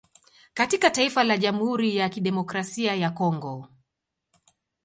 Katika taifa la jamhuri ya kidemokrasia ya congo